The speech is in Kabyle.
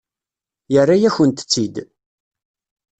Yerra-yakent-tt-id.